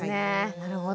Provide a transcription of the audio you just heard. なるほど。